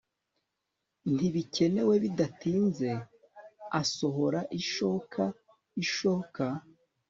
Ntibikenewe bidatinze asohora ishokaishoka